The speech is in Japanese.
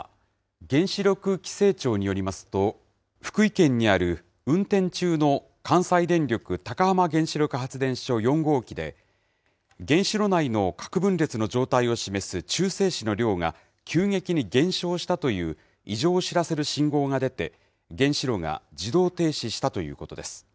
原子力規制庁によりますと、福井県にある運転中の関西電力高浜原子力発電所４号機で、原子炉内の核分裂の状態を示す中性子の量が急激に減少したという異常を知らせる信号が出て、原子炉が自動停止したということです。